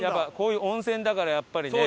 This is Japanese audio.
こういう温泉だからやっぱりね。